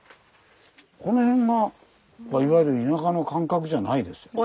この辺がいわゆる田舎の感覚じゃないですよね。